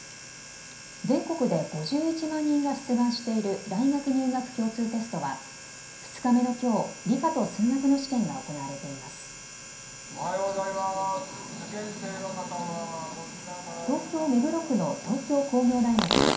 全国で５１万人が出願している大学入学共通テストは２日目のきょう、理科と数学の試験が行われています。